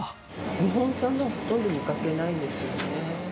日本産のはほとんど見かけないんですよね。